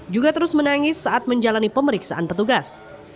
juga terus menangis saat menjalani pemeriksaan petugas